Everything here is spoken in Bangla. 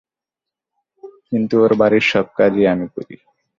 কিন্তু ওর বাড়ির সব কাজই আমি করি।